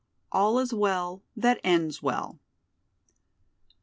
"All is Well, that Ends Well."